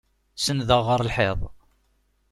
Senndeɣ ɣer lḥiḍ.